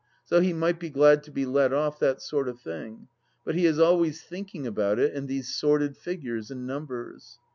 So he might be glad to be let off that sort of thing. But he is always thinking about it and these sordid figures and numbers.